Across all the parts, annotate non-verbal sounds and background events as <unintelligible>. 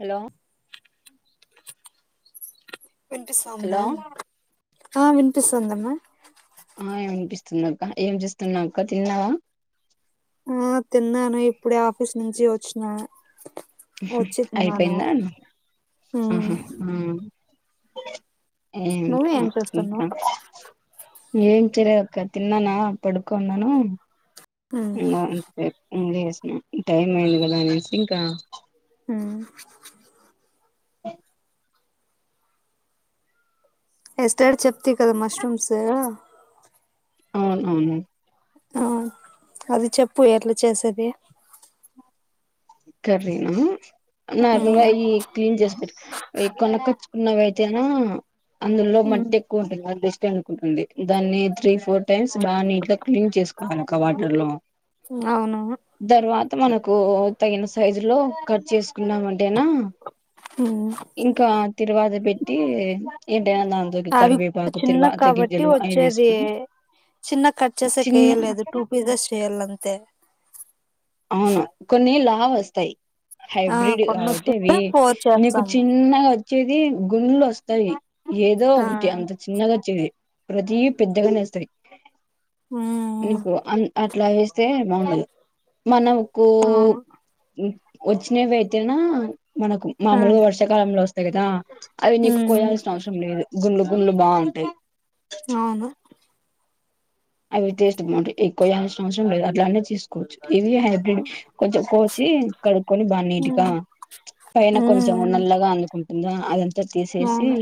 Hello వినిపిసందా hello ఆ వినిపిసందమ్మా ఆ ఏ అనిపిస్తుంద అక్క ఏం చేస్తున్నా అక్క తిన్నావా ఆ తిన్నాను ఇప్పుడే ఆఫీస్ నుంచి వచ్చిన ఊహు వచ్చి తిన్నాను అయిపోయిందా ఆహ ఉమ్ ఆ నువ్వు ఏంకా ఏం ఇంకా చేస్తున్నావ్ ఏం తిన ఇక్క తిన్నానా పడుకున్నను ఉమ్ <unintelligible> ఉ టైమ్ అయింది కదా అనేసి ఇంకా ఊ ఎ ఎస్టార్ చెప్తి కదా మష్రూమ్స్ అవున్ అవును అవున్ అది చెప్పు ఎట్లా చేసేది కర్రీనా నార్మల్గా ఉమ్ ఇయి క్లీన్ చేస్బట్ అయి కొనుకొచ్చుకున్నవైతేనో అందులో ఉమ్ మంటి ఎక్కువ ఉంటుంది. అదే టెనకుంటుంది. దాన్ని త్రీ ఫోర్ టైమ్స్ బాగా నీట్ గా క్లీన్ చేసుకోవాలక్కా వాటర్ లో అవును ధర్వాత మనకు తగిన సైజు లో కాడ్ జేస్ కున్నామంటేనా ఉమ్ ఇంకా తిరువాదా పెట్టి ఏంటైనా దాంతోకి అవి కూడా కరివేపాకు చిన్న తిరువాత కాబట్టి గింజలు అవి వచ్చేది వేసుకొని చిన్న కట్ చేసే చిన్న కేయెలేదు టూ పీజజ్ చేయాలంతే అవును కొన్ని లావ్ వస్తాయి ఆ హైబ్రిడ్ కొన్ని కాబట్టి అవి వచ్చితే ఫోర్ నీకు చేస్తాము చిన్నగా వచ్చేది గుళ్లు వస్తాయి. ఏదో ఆ ఒకటి అంత చిన్నగా చేది ప్రతి పెద్దగానేేస్తాయి ఉమ్ నీకు అన్ అట్లా ఎస్తే బావుడదు మనం కు అవును హు వచ్చినవి వేయిటేనా మనకు ఆ మామలుగా వర్షాకాలంలో వస్ తెగదా అవి నీకు ఉమ్ కోయాల్సిన అవసరం లేదు గున్లు గుంలు బావుంటాయి అవును అవి టేస్ట్ బావుంటాయ్. ఏ కోయాల్సిన అవసరం లేదు. అట్లనే చేసుకోవచ్చు. ఇవి హైబ్రిడ్ కొంచెం కోసి కడుక్కొని బా నీట్గా ఉమ్ పైన కొంచెం ఉమ్ నల్లగా అందుకుం బా అదంతా తీసేసి అవును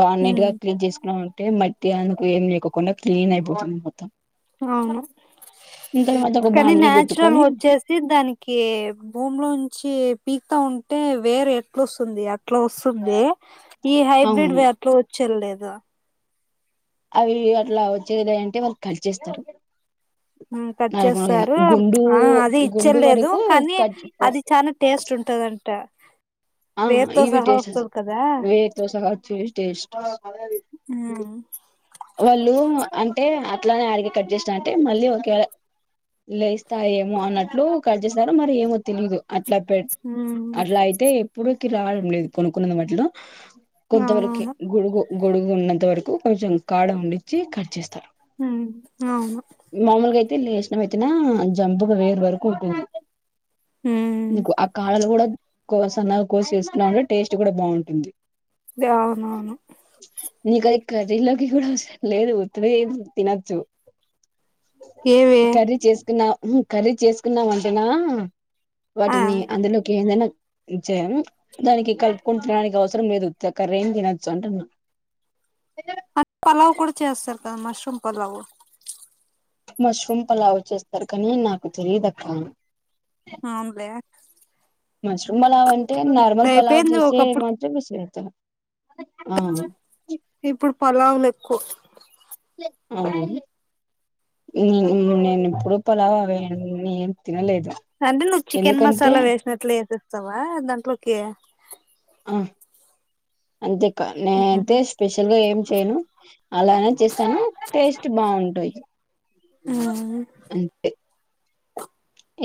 బాగా నీటుగా ఉమ్ క్లీన్ చేసుకున్నామన్ అంటే మట్టి అందుకు ఏం లేకోకుండా క్లీన్ అయిపోతుంది. మొత్తం అవును తర్వాత ఒక కానీ బాండిల్ నాచురల్గా పెట్టుకొని వచ్చేసి దానికి భూమిలోంచి పీక్ త ఉంటే వేరు ఎట్లొస్తుంది అత్ ఇట్లా వస్తుంది. ఈ హైబ్రిడ్ అవును వ్యాప్లో వచ్చే లేదు అవి అట్లా వచ్చేద్ లేదంటే వాళ్ళు కల్డ్ జేస్తారు ఉ కట్ చేస్తారు ఆ అది గుండు ఇచ్చలేదు వరకు కానీ కట్ అది చానా టేస్ చుట్టాదంట ఆ ఇవి టెస్టల్సు వేడ్ దోష కావట్ చీజ్ టేస్ట్ హుహ్ వాళ్ళు అంటే అట్లానే అడిగి కట్ చేసిన అంటే మళ్ళీ ఒకేరే లేస్తాయ్. ఏమో అన్నట్లు చుడ్జెసరేమో మరి ఏమో తెలీదు అట్లా పెట్ ఉమ్ అట్లా అయితే ఎప్పుడకి రావడం లేదు కొనుకుందనం ఎట్లానో కొంత వరకే అవునవును గొడుగు గొడుగు ఉన్నంత వరకు కొంచెం కడమ్ వండించి కట్టజెస్త హు అవును నీన్ లేచన వెన్తనా జంపుగా వేరువార్కుంటుంది నీకు ఉమ్ ఆ కడలు కూడా కోసన్న కోసి వేసుకున్నాంటే టేస్ట్ కూడా బావుంటుంది. దే అవునవును గదిల్లోకి కూడా అవసరం లేదు ఒత్తిడేం తినొచ్చు ఏవి కర్రీ చేసుకున్నా హు కర్రీ చేసుకున్నాం అంటనా ఆ వాటిని అందులోకి ఏదైనా ఇంజేయము దానికి కలుపుకు తినడానికి అవసరం లేదు తాకరేం తినచ్చు అంటున్నా అద్ పలావు కూడా చేస్తారు కదా మష్రూమ్ పలావు మష్రూమ్ పలావు చేస్తారు కానీ నాకు తెలియదాక్క ఆమ్ బ్లాక్ మష్రూమ్ మాలావ్ అంటే ఇప్పుడు నార్మల్ పలావ్ అయిపోయింది చేసే ఒకప్పుడు మంచిగా మిససైతారు ఇప్పుడు పలావులేకు హుహూ <inaudible> నేను ఎప్పుడు పలావ్ వేయను నీన్ అంటే నువ్వు చికెన్ మసాలా వేసినట్లు వేసేస్తావా దాంట్లోకే ఆ అంతే నేనతే స్పెషల్ గా ఏం చేయను అలానే చేస్తాను టేస్ట్ బాగుంటాయి అంతే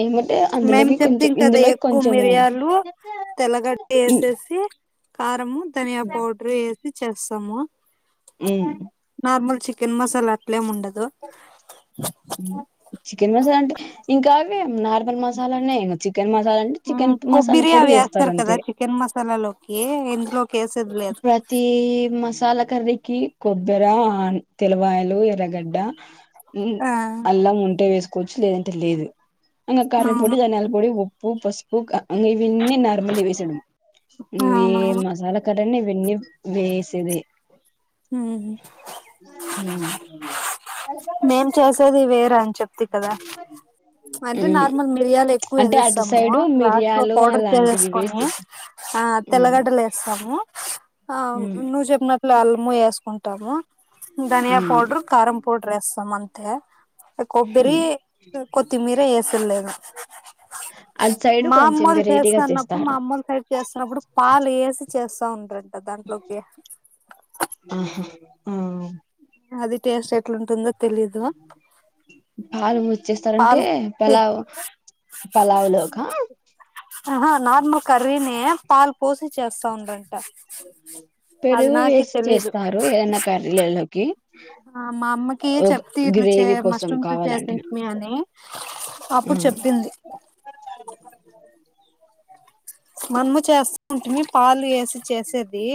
ఏమంటే మేము అందులోకి కొంచెం చెప్తాం కదా ఇందులోకి ఎక్కువ కొంచెము మిరియాలు తెల్లగడ్డ వేసేసి కారంము ధనియా పౌడరు వేసి చేస్తాము అ మామూలుగా చికెన్ మసాలా ఆటలేముండదు చికెన్ మసాలా అంటే ఇంకా అవి నార్ మసాలానే ఇంకా చికెన్ మసాలా అంటే చికెన్ మసాలా కొబ్బరి పొడి అవి వేస్తారు కదా అంతే చికెన్ మసాలాలోకి ఇందులోకి వేసేది లేదు ప్రతి మసాలా కర్రకి కొబ్బరి తెలవాయలు ఎర్రగడ్డ ఆ అల్లా ఉంటే వేసుకోవచ్చు లేదంటే లేదు ఇకా కారంపొడి అవును ధనియాల పొడి ఉప్పు పసుపు ఇన్న నార్ల్ ఇవన్నీ నార్మల్ వేసేదానికి అవునవును న్న విన్న వేసది మేం చేసేది వేర అంచ అంతే మిరియాలు పౌడర్ ఎక్కువ అంటే అటు వేసేస్తాము సైడు లాస్ట్ లో మిరియాలు అలాంటివి వేసి వేసుకోము చేస్తారు ఆ తెల్ల ఉమ్ గడ్డలు వేస్తాము ఆ ఉమ్ నువ్వు చెప్పినట్టు అల్ము వేసుకుంటాము ధనియా పౌడర్ కారం పౌడర్ వేస్తాం అంతే కొబ్బరి ఉమ్ కొత్తిమీర వేసరలేదు అది సరే మా అమ్మలు చేస్తున్నప్పుడు మా అమ్మలు సైడ్ చేస్తున్నప్పుడు పాలు వేసి చేస్తా ఉండారంట దాంట్లో <unintelligible> ఆహా ఆ అది టేస్ట్ ఎట్లాంటుందో తెలిదు చేస్తారంటే పలావ్ పలావులు ఒక ఆహ నార్మల్ కర్రీనే పాలు పోసి చేస్తా ఉండంట అది పెరుగు నాకి వేసి తెలీదు చేస్తారు ఏదైనా కర్రీలేలోకి ఆ మా అమ్మకి చెప్తే ఇట్లు చెప్పి ఇట్లా కోసం మష్రూమ్స్ కావాలంటే చేసింటమి అని అప్పుడు ఉమ్ చెప్పింది మనము చేస్తా ఉంటుంది పాలు వేసి చేసేది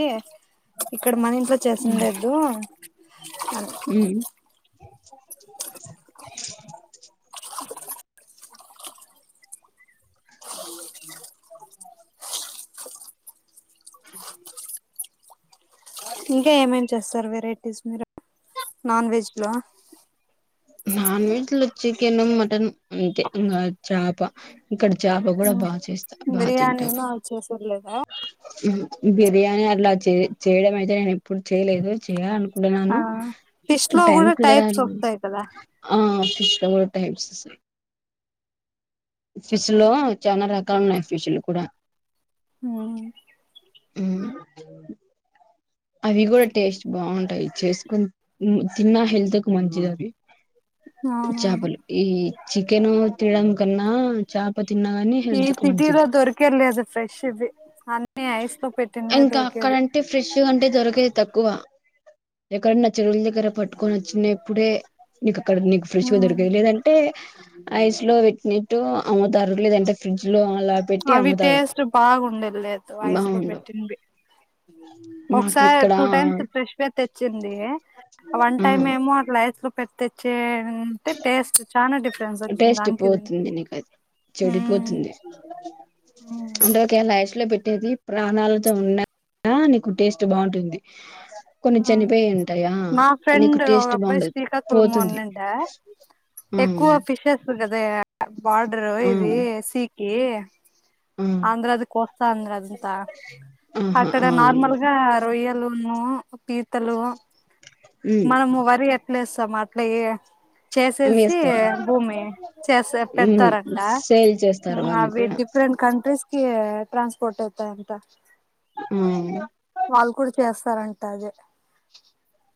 ఇక్కడ మన ఇంట్లో చేసిన లేదు హమ్ <unintelligible> <unintelligible> ఇంకా ఏమేం చేస్తారు వెరైటీస్ చేస్తారుమీరు నాన్ వెజ్ లో చికెన మటన చప ఇక్కడ చాప కూడా బాగా చేస్తా బాగా తింటారు బిర్యానీను అవి చేసేది లేదా బిర్యానీ అలా చే చేయడం అయితే నేను ఎప్పుడు చేయలేదు చేయాలనుకును ఆ నను ఫిష్ లో టైమ్ కూడా టైప్స్ రావాలిను వస్తాయి కదా ఆ సిస్ కూడా టైం సస్త ఫిసుు లో చాలా రకాలు ఉన్నాయి ఫిసుులు కూడా హమ్ అవి కూడా టేస్ట్ బాగుంటాయి చేసుకుని తిన్న హెల్త్ కు మంచిది అవి అవునవును చాపలు ఈ చికెన్ తిడం కన్నా చప ఈ సిటీద దొరికేర్లి అద ఫ్రెష్ ఇది అన్న ఐస్ తప పెట్టిన్వ దొరికేదిది అంటే ఫ్రెష్ ఉ అంటే దొరికేది తక్కువ ఎక్కడనా నా చెరువుల దగ్గర పట్టుకొని వచ్చినప్పుడే నీకు అక్కడ నీకు ఫ్రిష్ దొరికాయి లేదంటే ఐస్ లో పెట్టినట్టు అ తరగలేదుంటే ఫ్రిడ్జ్ లో అలా పెట్టి అవి అమ్ముతారు టేస్ట్ బాగుండేది లేదు ఐస్ లో బాగుండు పెట్టిన వి మాకు ఒకసారి ఇక్కడ టూ టైమ్స్ ఫ్రెష్గా తెచ్చింది వన్ ఆ టైమ్ ఏమో అట్లా ఐస్ లు పెట్ట తెచ్చే అంటే టేస్ట్ చానా డిఫరెన్స్ వచ్చింది టేస్ట్ దానికి దీనికి పోతుంది నీకు అది చెడిపోతుంది అంటే ఒకేల ఐస్ లో పెట్టి ట్టేది ప్రాణాలతో ఉన్నా నీకు టేస్ట్ బాగుంటుంది కొన్ని చనిపోయి ఉంటాయా మా నీకు ఫ్రెండ్ టేస్ట్ బాగుండదు పోతుంది ఆ ఆ ఎక్కువ ఫిషెస్ కద బార్డరు ఆ ఇది సీ ఏ ఆ అంద్ర అద కోస్తా అంద్ర అదంతా ఆహా ఆక్కడ ఆ నార్మల్గా రొయ్యల్ అమ్మో పీతలు ఉమ్ మనము వరి ఎ ప్లస్ సమ్ అట్లే చేసేసి వేస్తారు భూమి చేసి ఉమ్ పెడతారంట సేల్ చేస్తారు ఉమ్ వాళ్ళు అవి కూడా డిఫరెంట్ కంట్రీస్ కి ట్రాన్స్పోర్ట్ అవుతాయ్ అంట ఉమ్ చేస్తారంట అది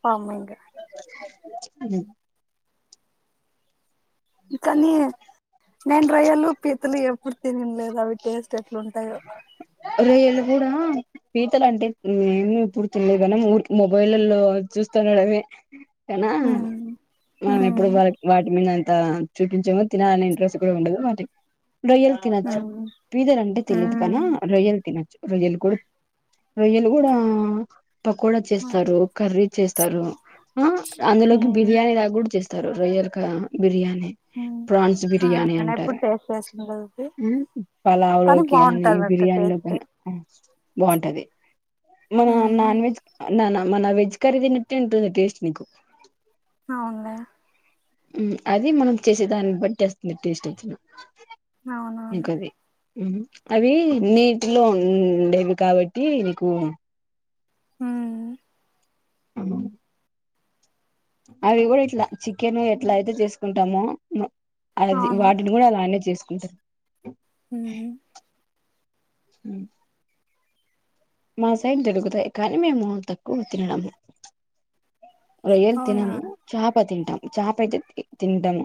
ఫార్మింగు ఉమ్ కానీ నేను రొయ్యలు పీతలు ఎప్పుడు తినలేదు అవి టేస్ట్ ఎట్లుంటాయో రొయ్యలు కూడా పీతల అంటే మేమి పుడుతున్నా మనం ఊరి మొబైల్ల్లో చూస్తుండడమే అయినా ఉమ్, మనం ఎప్పుడు ఉమ్, వాళకి వాటి మీద చూపించేమో తినాలనే ఇంట్రెస్ట్ కూడా ఉండదు వాటి రొయ్యలు తినచ్చు ఉమ్, పీతలు అంటే తెలిదు కన ఉమ్, రొయ్యలు తినొచ్చు రొయ్యలు కూడా రొయ్యలు కూడా పకోడా చేస్తారు కర్రీ చేస్తారు ఆ అందులోకి ఉమ్, బిర్యానీ లాగా కూడా చేస్తారు రు రొయ్యలు గ బిర్యానీ ఉమ్. ప్రాన్స్ ఆ, బిర్యాని నేను ఎప్పుడు అంటారా టేస్ట్ చేసిండది పలావ్ లో కానీ బాగుంటదట బిర్యానీ లో టేస్ట్ బాగుంటది మన ఉహు నాన్ వెజ్ నానా మన వెజ్ కర్రీ తిన్నట్టే ఉంటుంది టేస్ట్ నీకు అవునులే ఉమ్ అది మనం చేసే దాన్ని బట్టి వస్తుంది టేస్ట్ వచ్చిన అవునవును ఉమ్ అవి నీటిలో ఉండేవి కాబట్టి నీకు ఉమ్ అవును అవి కూడా ఇట్లా చికెన్ ఎట్లా అయితే చేసుకుంటామో అది అవునా వాటిని కూడా అలానే చేసుకుంటారు ఉహూ ఉమ్ మా సైడ్ దొరుకుతాయ్ కానీ మేము తక్కువ తినడము రొయ్యలు అవునా తినము చాప తింటాం చాప అయితే తింటాము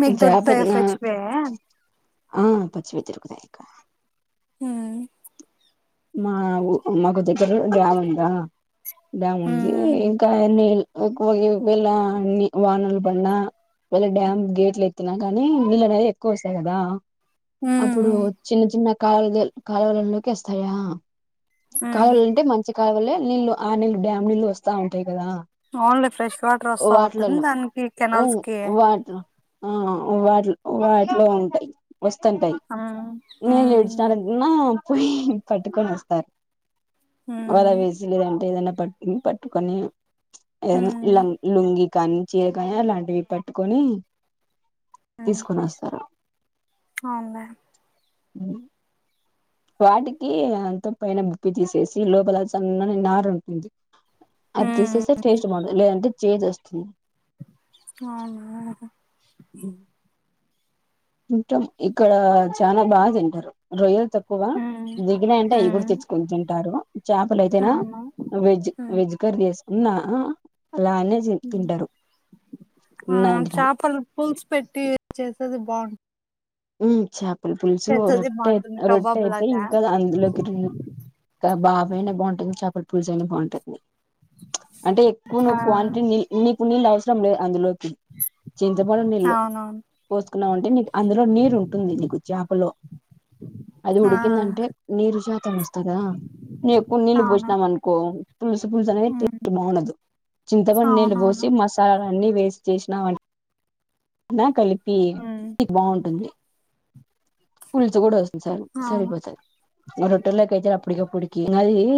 మీకు చేప దొరుకుతాయ పచ్చివే ఆ పచ్చివే దొరుకుతాయి అక్క ఉమ్ మా ఊ మాకు దగ్గర లో డామ్ ఉందా డామ్ ఉంది ఉమ్ ఇంకా నీళ్ ఒక్కో ఇవేల వానలు పడిన వాళ్ళు డ్యామ్ గేట్లు ఎత్తినా కానీ నీళ్ళు అనేవి ఎక్కువ వస్తాయి కదా ఉమ్ అప్పుడు ఉమ్ చిన్న చిన్న కాల కాలవలల్లోకి వస్తాయా ఉమ్ కాలువలు అంటే మంచి కాలువలే నీళ్ళు ఆ నీళ్ళు డ్యామ్ నీళ్ళు వస్తా ఉంటాయి కదా అవునులే ఫ్రెష్ వాటర్ వస్తా ఉంటుంది వాటిలలో దానికి కెనాల్స్ కి వాటి ఆ వాట్ వాటిలో ఉంటాయి వస్తుంటాయి ఉమ్ నేను ఉమ్ ఏడిచినన్నా పోయి పట్టుకొని వస్తారు ఉమ్ వలా వేసిలేదంటే ఏదనా పట్టు పట్టుకొని ఏదన్నా ఉమ్ ల లుంగి కానీ చీర కాని అలాంటివి పట్టుకొని తీసుకొని వస్తారు ఆ అవునండి హ్మ్ వాటికి అంత పైన బుప్పి తీసేసి లోపల సన్నని నారు ఉంటుంది అది ఉమ్ తీసేస్తే టేస్ట్ బాగుంటది లేదంటే చేదు వస్తుంది ఆ ఔనా తింటాం ఇక్కడ చానా బాగా తింటారు రొయ్యల్ తక్కువగా ఉమ్ దిగినాయి అంటే అవి ఉమ్ కూడా తెచ్చుకొని తింటాడు చేపలు అయితేనా అవునా వెజ్ ఉమ్ వెజ్ కర్రీ వేసుకున్నా ఆ ఆ ఉన్న వెంటనే చేపలు పులుసు పెట్టి చేసేది బాగుంటుంది హ్మ్ చేపల పులుసు చేసేది రొట్టె బాగుంటుంది రొట్టె కబాబ్ అయితే లాగా ఇంకా అందులోకి రెం డబ్బా పైన బాగుంటుంది చేపల పులుసు పులుసైనా బాగుంటుంది అంటే ఎక్కువ ఆ క్వాంటిటీ నీ నీకు నీళ్ళు అవసరం లేదు అందులో చింతపడు నీళ్ళు అవునవును పోసుకున్నామంటే నీకు అందులో నీరుంటుంది నీకు చేపలో అది ఆ ఉడికిందంటే నీరు శాతం వస్తందా నే ఎక్కువ నీళ్ళు అవును పోసినాం అనుకో పులుసు పులుసు అనేది ఉమ్ టేస్ట్ బాగుండదు చింతపండు నీళ్లు పోసి అవునవును మసాలా అన్ని వేసి చేసినావంటే కలిపి ఉమ్ బాగుంటుంది పులుసు కూడా వస్తుంది స అవును సరిపోతుంది రొట్టల్లో కి అయితే పడిక పిడికి అది <inaudible>